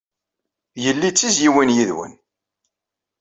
Yelli d tizzyiwin yid-wen.